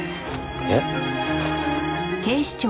えっ？